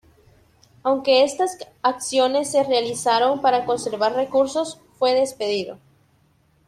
Aunque estas acciones se realizaron para conservar recursos, fue despedido.